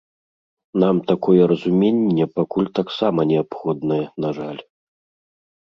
Нам такое разуменне пакуль таксама неабходнае, на жаль.